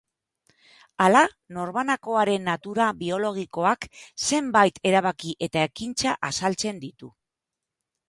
Hala, norbanakoaren natura biologikoak zenbait erabaki eta ekintza azaltzen ditu.